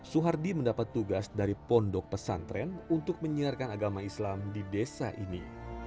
suhardi mendapat tugas dari pondok pesantren untuk menyiarkan agama islam di desa ini